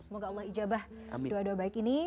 semoga allah ijabah doa doa baik ini